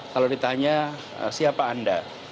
kalau ditanya siapa anda